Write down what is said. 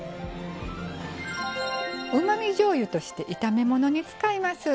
うまみじょうゆとして炒め物に使います。